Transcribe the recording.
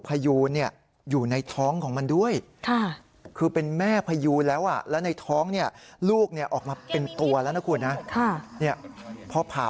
เป็นตัวแล้วนะฮะ